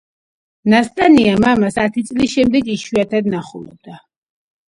ნასტასია მამას ათი წლის შემდეგ იშვიათად ნახულობდა.